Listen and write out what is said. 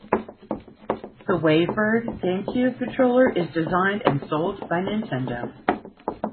The WaveBird GameCube controller is designed and sold by Nintendo.